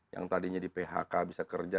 yang tadinya di phk bisa kerja